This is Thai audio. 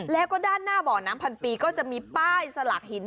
แล้วก็ด้านหน้าบ่อน้ำพันปีก็จะมีป้ายสลักหิน